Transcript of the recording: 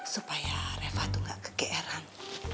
supaya reva tuh gak kekeeran